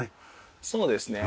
そうですね。